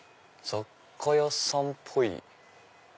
雑貨屋さんっぽい。